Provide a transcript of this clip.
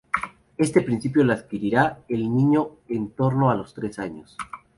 Este principio lo adquirirá el niño en torno a los tres años.